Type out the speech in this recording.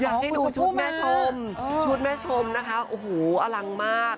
อยากให้ดูชุดแม่ชมชุดแม่ชมนะคะโอ้โหอลังมาก